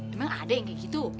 memang ada yang kayak gitu